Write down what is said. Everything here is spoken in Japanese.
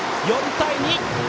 ４対２。